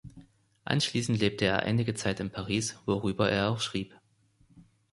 Anschliessend lebte er einige Zeit in Paris, worüber er auch schrieb.